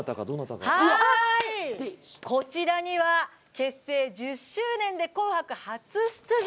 こちらには結成１０周年で「紅白」初出場